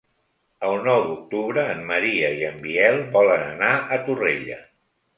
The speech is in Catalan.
El nou d'octubre en Maria i en Biel volen anar a Torrella.